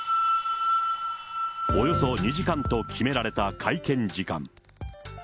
およそ２時間と決められた会見時間。